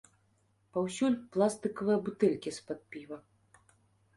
Паўсюль пластыкавыя бутэлькі з-пад піва.